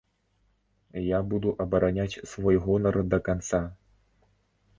Я буду абараняць свой гонар да канца.